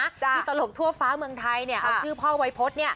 มีตลกทั่วฟ้าเมืองไทยเอาชื่อพ่อไวพส